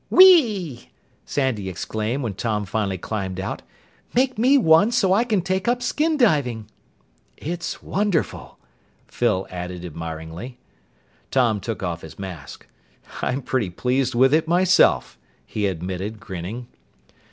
"Whee!" Sandy exclaimed when Tom finally climbed out. "Make me one, so I can take up skin diving!" "It's wonderful!" Phyl added admiringly. Tom took off his mask. "I'm pretty pleased with it myself," he admitted, grinning.